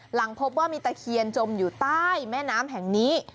หลังพบว่ามีตะเคียนจมอยู่ใต้แม่น้ำแห่งนี้